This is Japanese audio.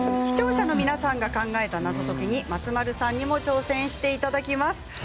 視聴者の皆さんが考えた謎解きに松丸さんにも挑戦していただきます。